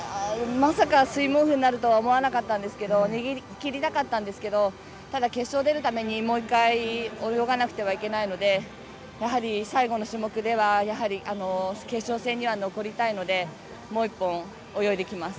まさかスイムオフになるとは思わなかったんですけど逃げ切りたかったんですけどただ、決勝に出るためにもう１回泳がなくてはいけないのでやはり最後の種目では決勝戦には残りたいのでもう１本、泳いできます。